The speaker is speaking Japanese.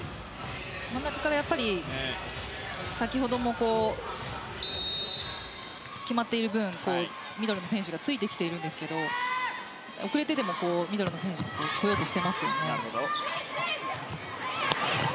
真ん中から先ほども決まっている分ミドルの選手がついてきているんですけど遅れてでもミドルの選手は行こうとしてますね。